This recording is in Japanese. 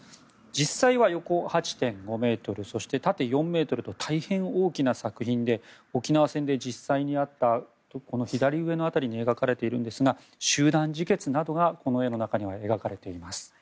実際は横８．５ｍ、縦４ｍと大変大きな作品で沖縄戦で実際にあった左上の辺りに描かれているんですが集団自決などがこの絵の中には描かれています。